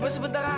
eh apa uh